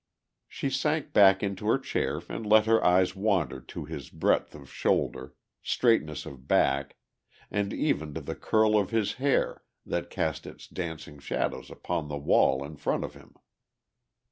She sank back into her chair and let her eyes wander to his breadth of shoulder, straightness of back and even to the curl of his hair that cast its dancing shadows upon the wall in front of him.